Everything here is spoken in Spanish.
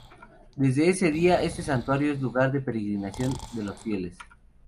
Desde ese día este santuario es lugar de peregrinación de los fieles.